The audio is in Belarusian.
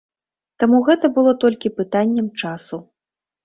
Таму гэта было толькі пытаннем часу.